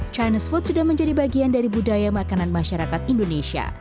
chinese food sudah menjadi bagian dari budaya makanan masyarakat indonesia